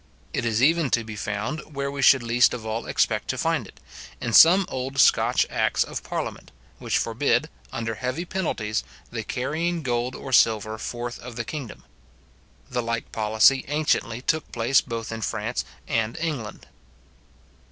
It is even to be found, where we should least of all expect to find it, in some old Scotch acts of Parliament, which forbid, under heavy penalties, the carrying gold or silver forth of the kingdom. The like policy anciently took place both in France and England.